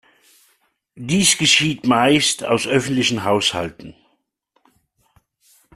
Dies geschieht meist aus öffentlichen Haushalten.